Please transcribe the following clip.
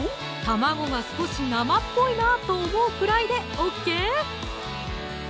卵が少し生っぽいなと思うくらいでＯＫ！